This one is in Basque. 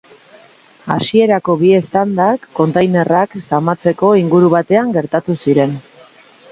Hasierako bi eztandak kontainerrak zamatzeko inguru batean gertatu ziren.